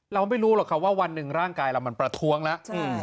เราไม่รู้หรอกครับว่าวันหนึ่งร่างกายเรามันประท้วงแล้ว